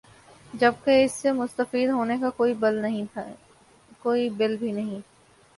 جبکہ اس سے مستفید ہونے کا کوئی بل بھی نہیں